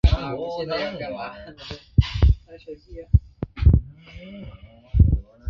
瓦雷姆区为比利时列日省辖下的一个区。